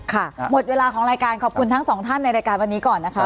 หมดเวลาของรายการขอบคุณทั้งสองท่านในรายการวันนี้ก่อนนะคะ